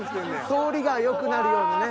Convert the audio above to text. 通りがよくなるようにね。